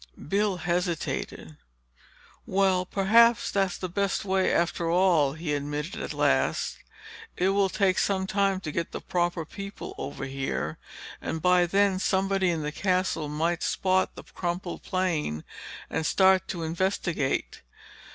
Bill hesitated. "Well, perhaps that's the best way, after all," he admitted at last. "It will take some time to get the proper people over here—and by then somebody in the Castle might spot the crumpled plane and start to investigate.